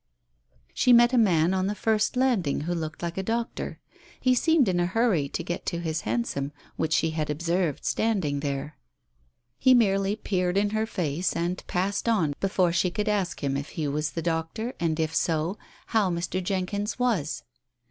She met a man on the first landing who looked like a doctor. He seemed in a hurry to get to his hansom, which she had observed standing there. He merely peered in her face and Digitized by Google THE TELEGRAM 29 passed on before she could ask him if he was the doctor, and if so, how Mr. Jenkyns was?